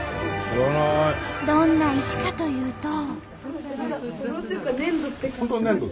どんな石かというと。